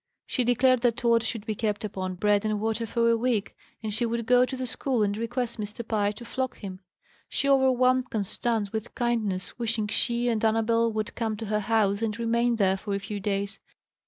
She declared that Tod should be kept upon bread and water for a week, and she would go to the school and request Mr. Pye to flog him. She overwhelmed Constance with kindness, wishing she and Annabel would come to her house and remain there for a few days.